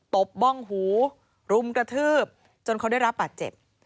ตบบ้องหูรุมกระทืบจนเขาได้รับบาดเจ็บ